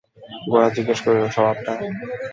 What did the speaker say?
গোরা জিজ্ঞাসা করিল, স্বভাবটা?